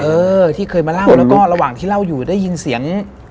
เออที่เคยมาเล่าแล้วก็ระหว่างที่เล่าอยู่ได้ยินเสียง